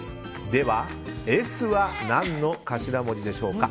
では、Ｓは何の頭文字でしょうか？